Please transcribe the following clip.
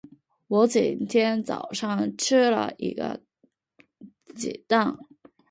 我今天早上吃了一个鸡蛋。